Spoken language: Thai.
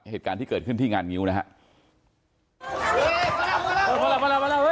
เหตุการณ์ที่เกิดขึ้นที่งานงิ้วนะครับ